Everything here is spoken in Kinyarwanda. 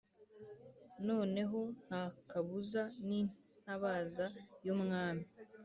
noneho ntakabuza nintabaza y’umwami